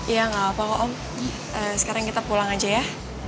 ya gak apa apa om sekarang kita pulang aja ya